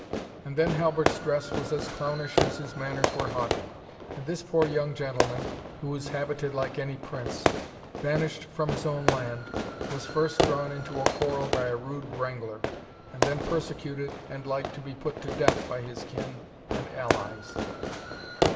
And then Halbert's dress was as clownish as his manners were haughty; and this poor young gentleman, (who was habited like any prince,) banished from his own land, was first drawn into a quarrel by a rude brangler, and then persecuted and like to be put to death by his kin and allies."